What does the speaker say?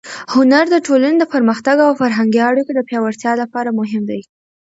هنر د ټولنې د پرمختګ او فرهنګي اړیکو د پیاوړتیا لپاره مهم دی.